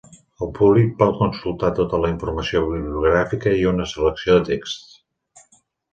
El públic pot consultar tota la informació bibliogràfica i una selecció de texts.